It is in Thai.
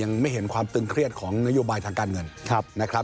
ยังไม่เห็นความตึงเครียดของนโยบายทางการเงินนะครับ